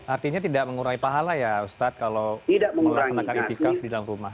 artinya tidak mengurai pahala ya ustadz kalau melaksanakan itikaf di dalam rumah